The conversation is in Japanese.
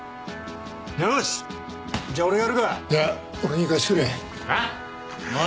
よしじゃあ俺がやるかいや俺に行かせてくれはぁ？